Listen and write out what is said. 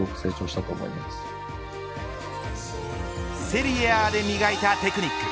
セリエＡでに磨いたテクニック。